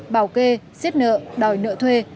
bảo kê xếp nợ đòi nợ thuê